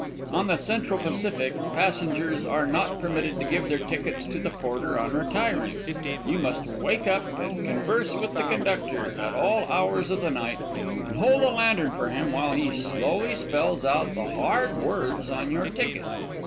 On the Central Pacific passengers are not permitted to give their tickets to the porter on retiring. You must wake up and converse with the conductor at all hours of the night, and hold a lantern for him while he slowly spells out the hard words on your ticket.